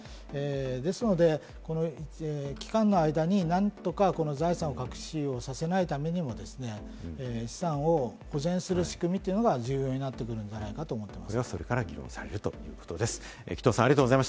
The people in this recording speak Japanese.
ですので、この期間の間に何とか財産を財産隠しをさせないために、資産を保全する仕組みというのが重要になってくるんじゃないかと思っています。